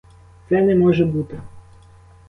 Це не може бути.